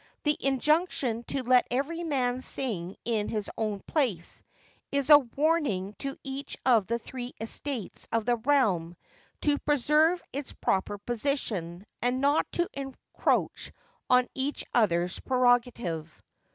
The injunction to 'let every man sing in his own place,' is a warning to each of the three estates of the realm to preserve its proper position, and not to encroach on each other's prerogative.